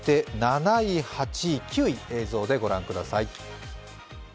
７位、８位、９位、映像で御覧ください。